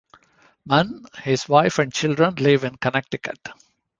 Mann, his wife and children live in Connecticut.